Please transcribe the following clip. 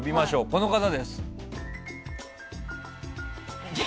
この方です。